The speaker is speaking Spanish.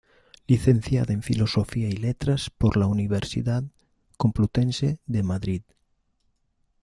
Licenciada en Filosofía y Letras por la Universidad Complutense de Madrid.